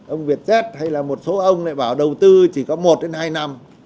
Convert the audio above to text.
ông việt z hay là một số ông này bảo đầu tư chỉ có một đến hai năm